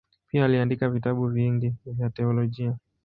Pia aliandika vitabu vingi vya teolojia.